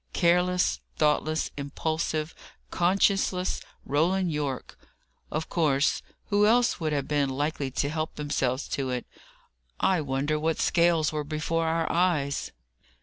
Careless, thoughtless, impulsive, conscienceless Roland Yorke! Of course! Who else would have been likely to help themselves to it? I wonder what scales were before our eyes?"